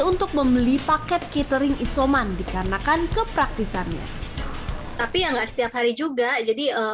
untuk membeli paket catering isoman dikarenakan kepraktisannya tapi ya enggak setiap hari juga jadi